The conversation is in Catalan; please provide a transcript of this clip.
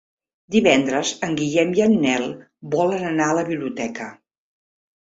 Divendres en Guillem i en Nel volen anar a la biblioteca.